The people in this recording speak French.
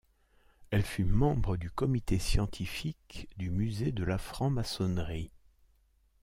Elle fut membre du comité scientifique du Musée de la franc-maçonnerie.